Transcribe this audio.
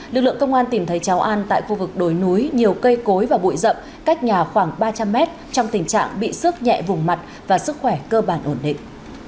lực lượng công an tìm thấy cháu an tại khu vực đồi núi nhiều cây cối và bụi rậm cách nhà khoảng ba trăm linh mét trong tình trạng bị sức nhẹ vùng mặt và sức khỏe cơ bản ổn định